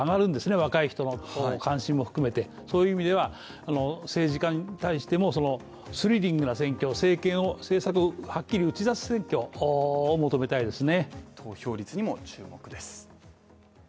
若い人の関心も含めて、そういう意味では、政治家に対してもそのスリリングな選挙政策をはっきり打ち出す選挙を求めたいですね。